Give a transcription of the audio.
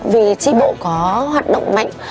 vì trí bộ có hoạt động mạnh